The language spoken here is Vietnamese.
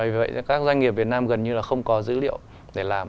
vì vậy các doanh nghiệp việt nam gần như là không có dữ liệu để làm